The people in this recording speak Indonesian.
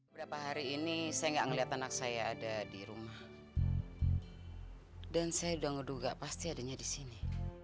berapa hari ini saya nggak melihat anak saya ada di rumah dan saya sudah ngeduga pasti adanya di sini